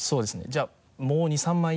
じゃあもう２３枚。